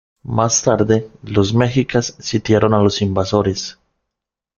Más tarde, los mexicas sitiaron a los invasores.